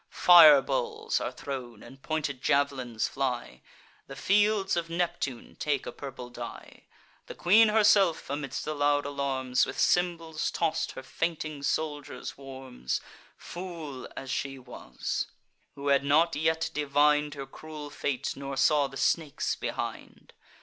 Fireballs are thrown, and pointed jav'lins fly; The fields of Neptune take a purple dye. The queen herself, amidst the loud alarms, With cymbals toss'd her fainting soldiers warms— Fool as she was! who had not yet divin'd Her cruel fate, nor saw the snakes behind.